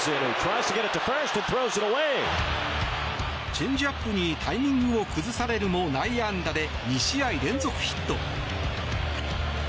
チェンジアップにタイミングを崩されるも内野安打で２試合連続ヒット。